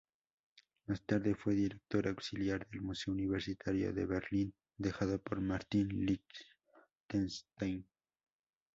Más tarde fue director auxiliar del Museo Universitario de Berlín, dejado por Martin Lichtenstein.